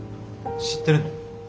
知ってるの？